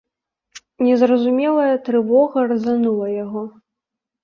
Незразумелая трывога разанула яго.